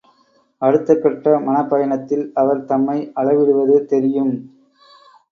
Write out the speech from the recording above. அடுத்தகட்ட மனப்பயணத்தில் அவர் தம்மை அளவிடுவது தெரியும்.